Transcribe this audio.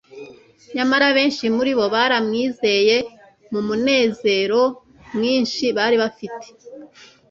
Nyamara benshi muri bo baramwizeye mu muruezero mwinshi bari bafite,